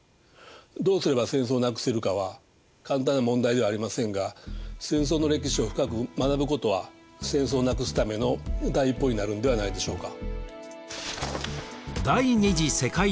どうすれば戦争をなくせるかは簡単な問題ではありませんが戦争の歴史を深く学ぶことは戦争をなくすための第一歩になるんではないでしょうか。